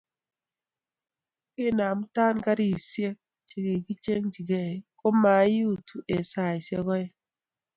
kinamtan karisiek chekiikichgei komaitu eng saisiek oeng